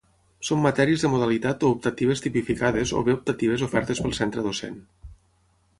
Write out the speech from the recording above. Són matèries de modalitat o optatives tipificades o bé optatives ofertes pel centre docent.